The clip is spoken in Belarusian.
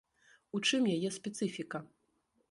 У чым яе спецыфіка?